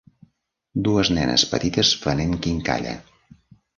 Dues nenes petites venent quincalla.